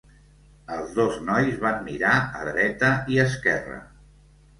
Els dos nois van mirar a dreta i esquerra.